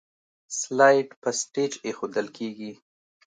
سلایډ په سټیج ایښودل کیږي.